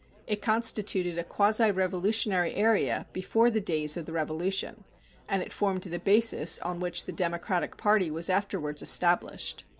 It constituted a quasi revolutionary area before the days of the Revolution, and it formed the basis on which the Democratic party was afterwards established.